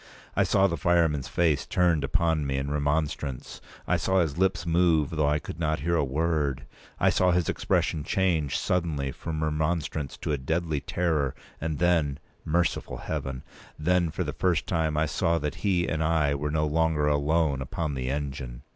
I saw the fireman's face turned upon me in remonstrance; I saw his lips move, though I could not hear a word; I saw his expression change suddenly from remonstrance to a deadly terror, and then—merciful Heaven! then, for the first time, I saw that he and I were no longer alone upon the engine.